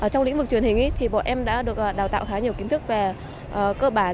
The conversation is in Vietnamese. trong lĩnh vực truyền hình thì bọn em đã được đào tạo khá nhiều kiến thức về cơ bản